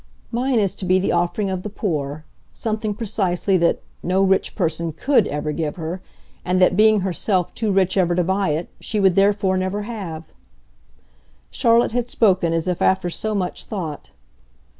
Mine is to be the offering of the poor something, precisely, that no rich person COULD ever give her, and that, being herself too rich ever to buy it, she would therefore never have." Charlotte had spoken as if after so much thought.